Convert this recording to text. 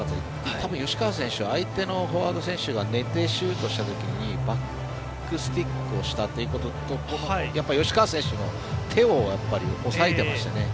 たぶん、吉川選手相手のフォワードの選手が寝てシュートしたときにバックスティックをしたということと吉川選手の手を押さえてましたね。